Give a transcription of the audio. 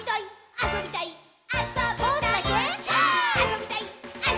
あそびたいっ！！」